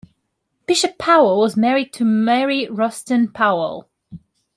Bishop Powell was married to Mary Rustin Powell.